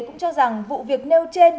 cũng cho rằng vụ việc nêu trên